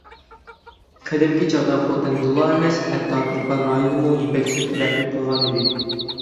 قەدىمكى چاغدا خوتەندىلا ئەمەس، ھەتتا تۇرپان رايونىدىمۇ يىپەكچىلىك تەرەققىي قىلغانىدى.